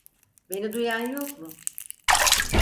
Beni duyan yok mu?